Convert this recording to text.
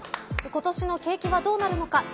今年の景気はどうなるのか。